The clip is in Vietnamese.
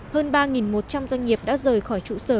hơn ba một trăm linh doanh nghiệp đã rời khỏi trụ sở